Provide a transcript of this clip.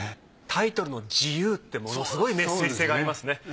タイトルの『自由』ってものすごいメッセージ性がありますね。